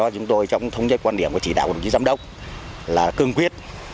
chúng tôi trong thống nhất quan điểm của chỉ đạo của đồng chí giám đốc là cương quyết